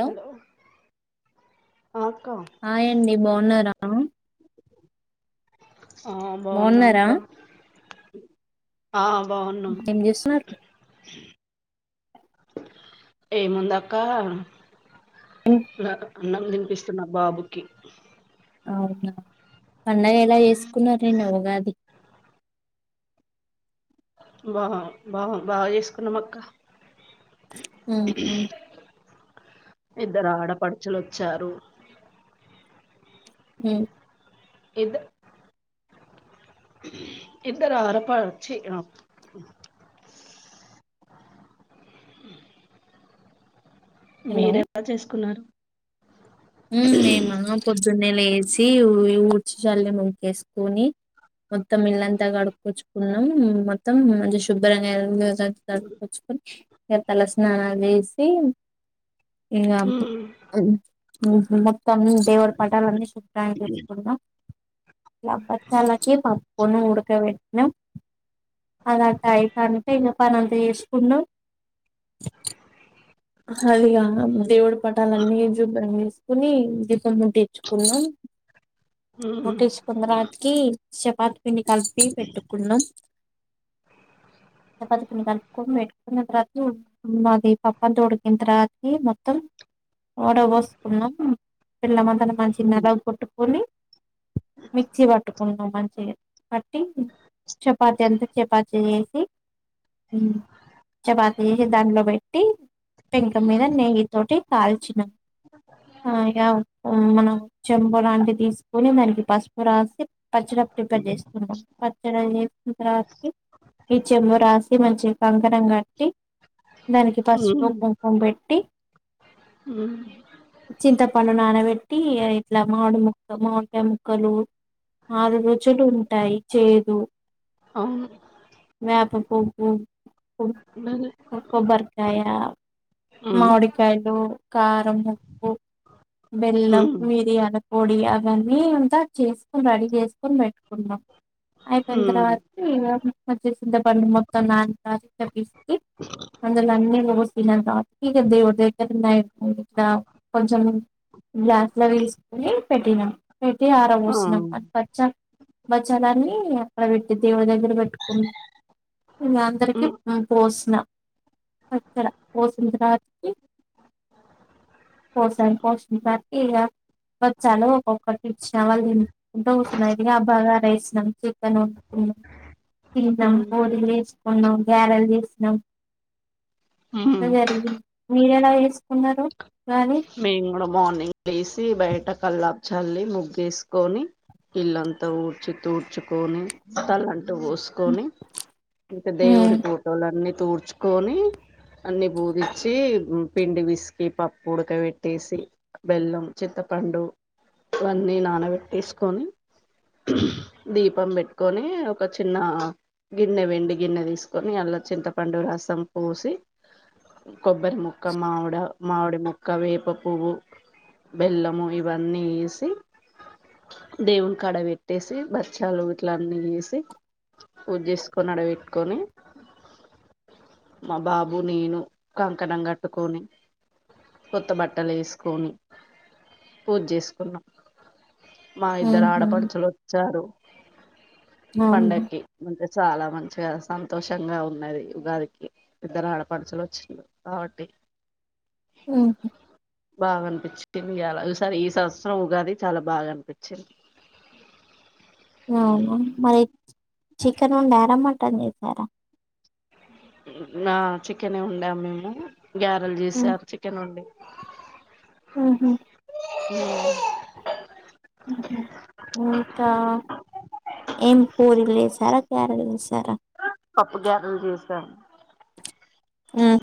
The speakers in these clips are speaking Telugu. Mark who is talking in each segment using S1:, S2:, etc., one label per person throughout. S1: హలో ఆ అక్క
S2: హాయ్ అండి. బావున్నారా? అ
S1: ఆ బావున్నాం
S2: బాగున్నారా
S1: అక్క. ఆ బావున్నాం.
S2: ఏం చేస్తున్నారు
S1: ఏముందక్కా. లా అన్నం తినిపిస్తున్న బాబుకి.
S2: అవునా. పండగ ఎలా చేసుకున్నరు నిన్నా ఉగాది.
S1: బా బా బాగా చేసుకున్నామక్కా.
S2: ఉ ఉ
S1: ఇద్దరు ఆడపడుచులు వచ్చారు.
S2: ఉమ్
S1: ఇద్ హ్ ఇద్దరు ఆరపర చి హ అ మీరు ఎలా చేసుకున్నారు?
S2: హ్ మేమా పొద్దున్నే లే సి ఊడ్చి చల్లి ముగ్గేసుకొని, మొత్తం ఇల్లంతా కడుక్కొచ్చుకున్నాం. మొత్తం మంచి శుభ్రంగా ఆ [inaudible] చ్చుకొని ఇగ తల స్నానాలు చేసి ఇగా
S1: ఉమ్,
S2: హ్ మొత్తం దేవుడి పటాలన్నీ శుభ్రం చేసుకున్నాం. ఇగ బచ్చాలకి పప్పు పూర్ణం ఉడక పెట్టినం. అది అటు అయింతాంటే ఇగా పనంతా చేసుకున్నాం. హ అదిగా
S1: ఉమ్,
S2: దేవుడు పటాలన్ని శుభ్రం చేసి సుకుని దీపం ముట్టిచ్చుకున్నాం. ముట్టించు కున్న తర్వాతకి చెపాత్ పిండి కలిపి పెట్టుకున్నం. చపాతి పిండి కలుపుకొని పెట్టుకున్న తర్వత హ్ అది ప పంతోడికింత రాతి మొత్తం ఓడ పోసుకున్నాం బెల్లం అన్ అలా మంచిగా
S1: ఉమ్,
S2: నలా కొట్టుకొని మిక్సీ పట్టుకున్నా మంచినే పట్టి చపాతి అంతా చపాతి చేసి చపాతి చేసి దానిట్లో పెట్టి పెంక మీద నెయ్యి తోటి కాల్చినం ఆ ఇగా మనం చెంప లాంటి తీసుకోని మల్లి పసుపు రాసి పచ్చడ ప్రిపేర్ చేస్తున్నాం. పచ్చడ చేసిన తర్వాతకి ఈ చెంబు రాసి మంచిగా కంకణం గటి దానికి
S1: ఉమ్,
S2: పసూప్ ఓ పెట్టి టి
S1: ఉమ్,
S2: చింత పండున్నానవెట్ టి ఇట్లా మాడు ముక్క మామిడికాయ ముక్కలు ఆరు రుచులు ఉంటాయి. చేదు
S1: అవును
S2: వేప పోపూ పూ
S1: బలే
S2: కోబ్బరకాయ
S1: ఆ
S2: మామిడి కాయలు కారము ఉప్, బెల్లం, మిరియాల్ పొడి అవన్నీ అంతా చేసుకోని రెడీ చేసుకోని పెట్టుకుంన్నాం. అయిపోయిన తర్వాత ఇంగ పచ్చసింత పండు మొత్తం నానీ తర్వాత పిస్కి అందులోన్నీ రూస్ [unintelligible] ఇట్లా కొంచెం గ్లాస్ లో వేసుకోని పెటిిన్నాం పెట్టి ఆర పోసినం. అట్ పచ్చక్ బచ్చాలని అక్కడ పెట్టి దేవుడి దగ్గర పెట్టుకుం ఇంగ అందరికీ
S1: ఉమ్,
S2: పోసిన అక్కడ పోసినతర్వాతకి పోషం పోసినతర్తికి ఇగా బచ్చాలు ఒక్కొక్కరికీ ఇచ్చిన‌ వాళ్ళు తిం కుంటూ కూస్సున్నారు ఇగ ఆ భాగారా రైస్ స్నం చికెన్ వండుకున్నాం. తిన్నాం
S1: ఉమ్,
S2: పూరీలు చేసుకున్నాం యారల్ చేసినం అట్ల
S1: ఉమ్.
S2: జరిగింది మీరెలా చేసు కున్నారు
S1: మేము కూడా మార్నింగ్ లేసి బయట కల్లాప్ చల్లి ముగ్గేసుకొని ఇల్లంతా ఊడ్చి తూడ్చుకొని తలం టు
S2: ఉమ్
S1: పోసుకొని ఇకా దేవుడి ఫోటోలన్నీ తుడ్చుకొని అన్ని పూగీచ్చి పిండి విసికీ ప ప్పు ఉడకపెట్టేసి బెల్లం చింతపండు ఇవన్నీ నానబెట్టేసుకొని దీపం పెట్టుకొని ఒక చిన్నగిన్నె వెండిగిన్నె తీసుకొని అందుల చింతపండు రసం పోసి కొబ్బరి ముక్క మామిడ మామిడి ము క్క వేప పువ్వు బెల్లము ఇవన్నీ వేసి దేవునికాడ పెట్టేసి బచ్చాలు ఇట్ల అన్నీ చేసి పూజ చేసుకొని అడబెట్టుకొని మా బాబు నేను కంకణం కట్టుకొని కొత్త బట్టలు ఎసుకొని పూజ చేసుకున్నాం మా ఇద్దరు
S2: ఉహు
S1: ఆడపడుచులు వచ్చారు
S2: అవునా
S1: పండకి చాలా మంచిగా సంతోషంగా ఉన్నది ఉగాదికి ఇద్దరు ఆడపడుచులు వచ్చినారు కాబట్టి
S2: హ్మ్ హు
S1: బాగా అనిపించింది ఇయాల ఇసారి ఈ సంవత్సరం ఉగాది చాలా బాగా అనిపించింది
S2: అవునా మరి చికెన్ వండ్యరా మ టన్ చేశారా
S1: ఆ చికెన్నే వండ్యం మేము గ్యారెల్ చేసారు చికెన్ వండి
S2: హ్మ్ హ్మ్
S1: హ్మ్
S2: ఇంకా ఎంపూరిలు చేసేరా గారెలు చేశారా
S1: పప్పు గ్యారెలు చేసాం
S2: హ్మ్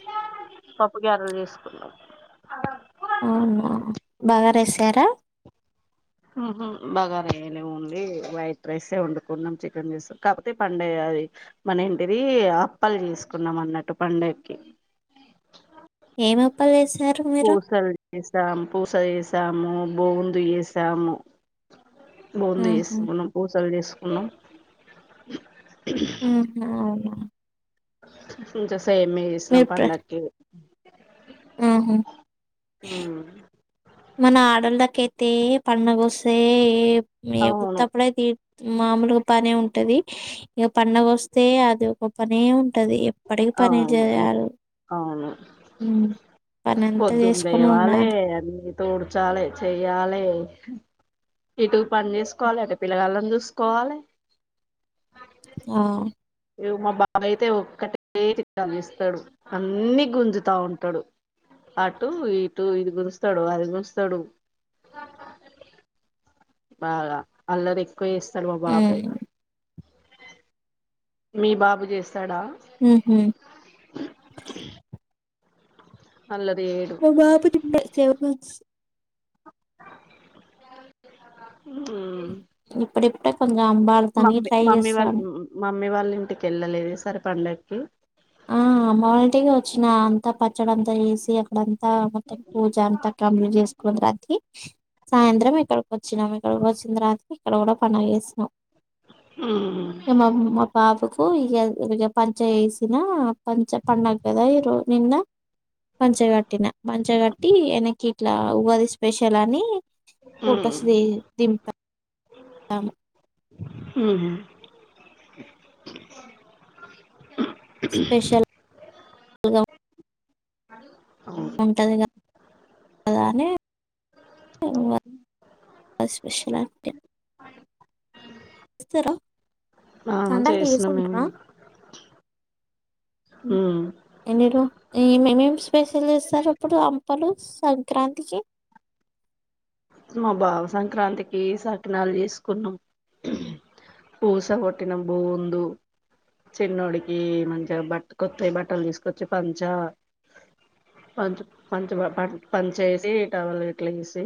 S1: పప్పు గారెలు చేసుకున్నాం
S2: అవునా బాగరేశారా
S1: బగారయనే ఓన్లీ వైట్ రైసే వండుకున్నాం చికెన్ చేశాం కాకపోతే పండగ అది మన ఇంటిది అప్పలు చేసుకున్నాం అన్నట్టు పండగకి
S2: ఏంఅప్పాలి చెసు
S1: పూసలు చేసాం పూసచేశా శాం బొగుందు చేశాము బూందు
S2: ఉహు
S1: చేసుకున్నాం పూసలు చేసుకున్నాం
S2: ఆ అవునా
S1: ంతస్త సేమి ఇసలం
S2: మీరు ప్ర
S1: పండకి
S2: ఉహు
S1: అ
S2: మన ఆడళ్ళకయితే పండగొస్తే మే
S1: అవును
S2: పుత్తపుడే తీ మామూలుగా పనే ఉంటది ఇక పండగ వస్తే అది ఒక పనే ఉంటది ఎప్పటికి పనే
S1: అవును
S2: చేయాల
S1: పొద్దున్ లేవాలే అన్ని తోడుచాలే చెయాలే ఇటు పని చేసుకోవాలె అటు పిల్లగాళ్ళని చూసుకోవాలే
S2: ఆ
S1: ఏ మా బాబ అయితే ఒక్కటే చది ఇస్తాడు అన్ని గుంజుతా ఉంటడు అటు ఇటు ఇది గుంజుస్తాడు అది గుస్తడు బాగ అల్లరి ఎక్కవ చేస్తడు మా బాబు
S2: ఉమ్
S1: అయితే మీ బాబు చేస్ స్థడ
S2: ఉహు. మ బాబు తిన్న చేపలు స్
S1: ఉమ్
S2: ఇప్పుడిప్పుడే కొంచెం అంబాడతానికి
S1: మమ్మీ
S2: ట్రై
S1: మమ్మీ వాళ్ళ
S2: చేస్తాను
S1: మమ్మీ వాళ్ళ ఇంటికి వెళ్ళలేదు ఇ సర్ పండక్కి
S2: ఆ అమ్మ వాళంటికి వచ్చినా అంత పచ్చడంత ఎసి అక్కడంతా మొత్తం పూజ అంతా కంప్లీట్ చేసుకుని వర్కీ సాయంత్రం ఇక్కడొక్ వచ్చినాం ఇక్కడ వచ్చిన తర్వాత ఇక్కడ కూడ పనుల్ చేసిన
S1: మ్మ్
S2: ఎమ మా పాపుకు కు ఇ ఇవ పంచ ఎస్ దునా పంచ పండగ్ గద ఇరో నిన్న పంచగట్టిన పన్చగట్టి వెనకి ఇట్ల ఉగాది స్పెషల్ అని ఫోటోస్ ది దింప
S1: ఉమ్మ్
S2: స్పెషల్ గా
S1: అ
S2: ఉంటది క అదని ఇంగ స్పెషల్
S1: ఆ
S2: పండగ
S1: చేసినాం మేము
S2: చేసుకుంటారా
S1: మ్మ్
S2: ఎన్నీ రో ఈ మేమేం స్పెషల్ ఇస్తారు అప్పుడు అం పలు సంక్రాంతికి
S1: మా బావ సంక్రాంతికి సకినాలు చేసుకున్నాం పూస కొట్టిన బొందు చిన్నోడికి మంచిగా బట్ట కొత్త బట్టలు తీసుకొచ్చి పంచ పంచ పంచ పంచ వేసి ఈటవలు ఇట్లా వేసి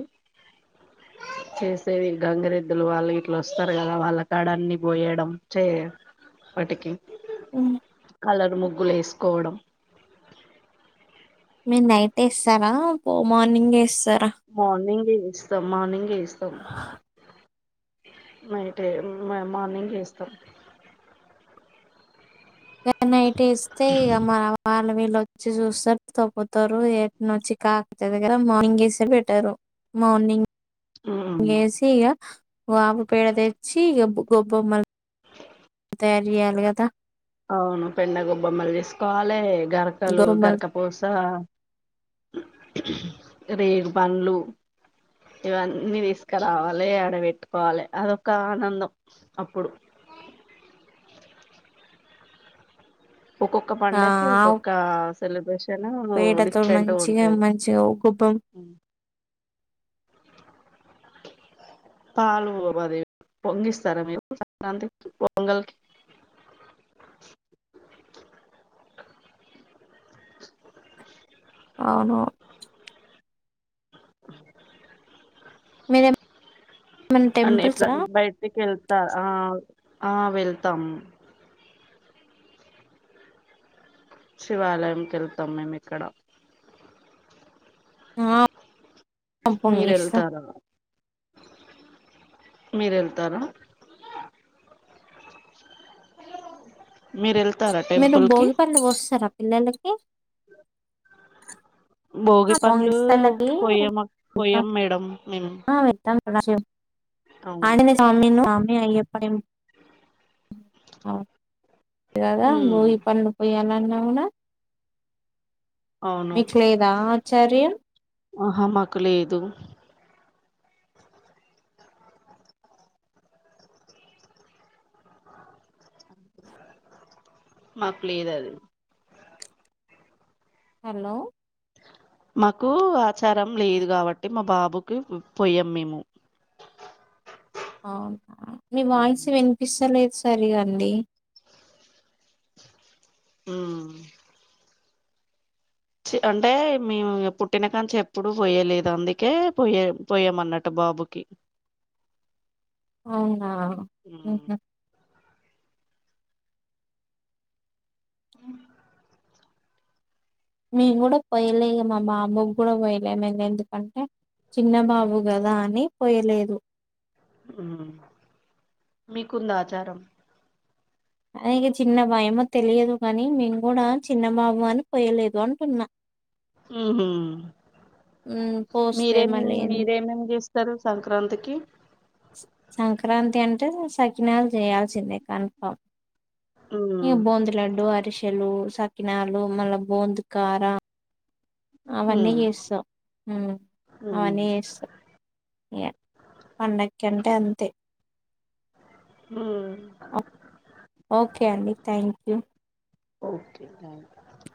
S1: చేసేవి గంగరెద్దులు వాళ్ళు ఇట్లా వస్తారు కదా వాళ్ళ కాడ అన్ని పోయడం చేయ వాటికి
S2: ఉ
S1: కలర్ ముగ్గులు ఎసుకోవడం
S2: మీరు నైట్ ఎస్తారా పో మార్నింగ్ వేస్
S1: మార్నింగ్ [unintelligible] [unintelligible] మార్నింగ్ ఎస్తం నైట్ మార్నింగ్ ఎస్తాం
S2: నైట్ ఎస్తే ఇక మన వీళ్ళ వచ్చి చూస్త తోకుతారు ఏను వచ్చి కాకగర మార్నింగ్ వేస్తే పెట్టారు మార్నింగ్ ఏసి ఇగ ఆవు పేడ తెచ్చి ఈగ గొబ్బొమ్మల్ [unintelligible]
S1: అవును పెండ గోబ్బొమ్మలు చేసుకోవాలే గరకలు
S2: గొబ్బొమ్మలు
S1: గరకపూస రేగు పండ్లు ఇవన్నీ తీసుకురావాలి అడబెట్టుకోవాలి అదొక ఆనందం అప్పుడు ఒక్కొక్క పండకి ఒక్కొక్క సెలబ్ర
S2: వేటతోడు మంచిగా మంచిగా [unintelligible]
S1: పాలుబదేవి పొంగిస్తారా మీరు సంక్రాంతికి పొంగల్కి
S2: అవును మీరేం
S1: అన్న ఎప్పుడన్నా బయటకి వెళ్తా ఆ ఆ వెళ్తాం శివాలయంకి వెళ్తాం మేము ఇక్కడ
S2: ఆ
S1: మీర
S2: పొంగిస్తా
S1: వెళ్తార మీరు వెళ్తార
S2: మీరు భోగి పళ్లు పోస్తార పిలలకి
S1: భోగి పండ్లు పోయాం పోయాం మేడం మేము అవును
S2: ఆంజనేయస్వామి [unintelligible] [unintelligible] కథ
S1: ఉమ్
S2: బోగి పండ్లు పోయాలన్న అవునా
S1: అవును
S2: చరే
S1: ఆహ మాకు లేదు మాకులు ఏద అది
S2: హలో
S1: మాకు ఆచారం లేదు కాబట్టి మా బాబుకి పోయాం మేము
S2: అవును మీ వాయిస్ వినిపిించలేదు సరి అండి
S1: ఆ అంటే మేము పుట్టిన కాంచి ఎప్పుడు పోయలేదు అందుకే పోయే పోయామ అన్నట్టు బాబుకి
S2: అ
S1: ఉమ్ అ
S2: మేము కూడా పోయలేదు మా బాబుకి కూడా పోయలేము ఎందుకంటే చిన్న బాబు కదా అని పోయలేదు
S1: మీకుంద ఆచారం
S2: ఆయనికి చిన్న భయమో తెలియదు కాగానీ మేను కూడా చిన్నబాబు అని పోయలేదు అంటున్నా
S1: హ హ
S2: హ్మ్. పోస్తే
S1: మీరేం
S2: మళ్ళీ ఏం-
S1: మీరేమేం చే సర్వ సంక్రాంతికి
S2: సంక్రాంతి అంటే సకినాలు చేయాల్సిందే కన్ఫామ్ ఇ
S1: ఉమ్
S2: బోంద్ లడ్డు అరిశెలు సక్క కాకినాలు మళ్ళ బోందు కార అవన్నీ
S1: ఉమ్
S2: చేస్తాం
S1: ఉమ్
S2: అవన్నీ చేస్తాం పండకి అంటే అంతే
S1: ఉమ్
S2: ఓకే అండి థ్యాంక్ యూ
S1: ఓకే థ్యాంక్ ూ